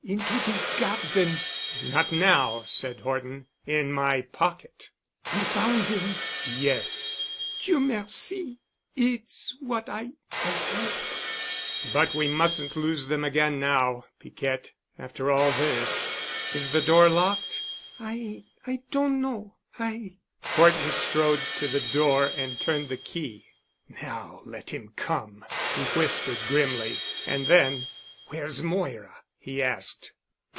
Into de garden." "Not now," said Horton. "In my pocket." "You found dem?" "Yes." "Dieu merci! It's what I—I 'ope'." "But we mustn't lose them again now, Piquette, after all this. Is the door locked?" "I—I doan know. I——" Horton strode to the door and turned the key. "Now let him come," he whispered grimly. And then, "Where's Moira?" he asked.